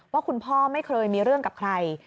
ว่าคุณพ่อไม่เคยมีเรื่องกับใคร